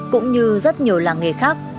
cũng như rất nhiều làng nghề khác